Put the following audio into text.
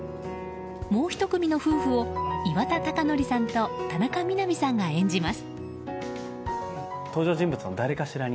もう１組の夫婦を岩田剛典さんと田中みな実さんが演じます。